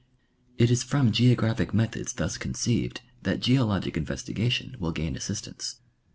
It is from geographic methods thus conceived that geologic investigation will gain assistance.